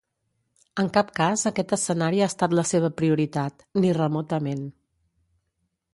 En cap cas aquest escenari ha estat la seva prioritat, ni remotament.